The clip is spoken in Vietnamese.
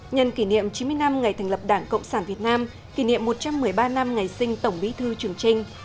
nhân kỷ niệm chín mươi năm ngày thành lập đảng cộng sản việt nam kỷ niệm một trăm một mươi ba năm ngày sinh tổng bí thư trường trinh